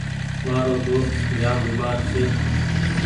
مآرو دوست جآم بيمآر ڇي۔